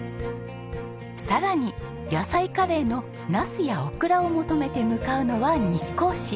さらに野菜カレーのナスやオクラを求めて向かうのは日光市。